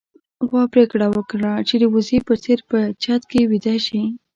غوا پرېکړه وکړه چې د وزې په څېر په چت کې ويده شي.